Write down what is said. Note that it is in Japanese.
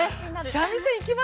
三味線行きます？